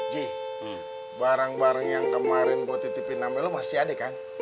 jih barang barang yang kemarin gue titipin namanya lo masih aneh kan